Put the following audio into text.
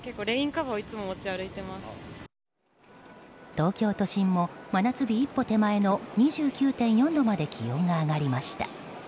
東京都心も、真夏日一歩手前の２９．４度まで気温が上がりました。